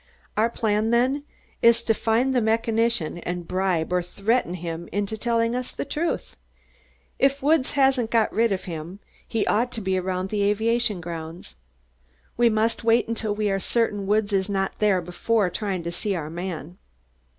Our plan, then, is to find that mechanician and bribe or threaten him into telling the truth. If Woods hasn't got rid of him, he ought to be around the aviation grounds. We must wait until we are certain Woods is not there before trying to see our man."